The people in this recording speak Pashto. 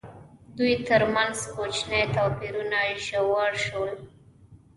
دوی ترمنځ کوچني توپیرونه ژور شول.